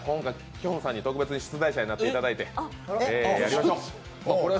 きょんさんに特別に出題者になっていただいてやりましょう。